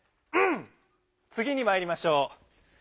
つぎにまいりましょう。